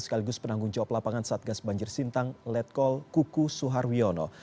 sekaligus penanggung jawab lapangan satgas banjir sintang letkol kuku suharwiono